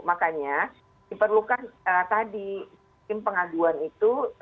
makanya diperlukan tadi tim pengaduan itu